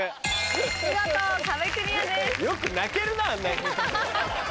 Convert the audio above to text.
見事壁クリアです。